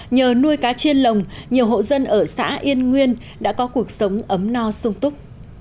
nhờ nuôi cá trên lồng nhiều hộ dân ở xã yên nguyên đã có cuộc sống ấm no sung túc